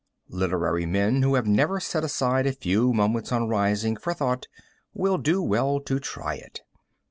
Literary men who have never set aside a few moments on rising for thought will do well to try it.